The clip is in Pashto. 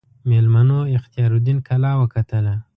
میلمنو اختیاردین کلا وکتله.